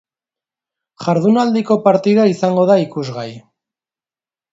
Jardunaldiko partida izango da ikusgai.